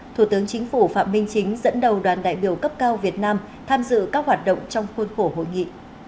thủ tướng chính phủ phạm minh chính dẫn đầu đoàn đại biểu cấp cao việt nam tham dự các hoạt động trong khuôn khổ hội nghị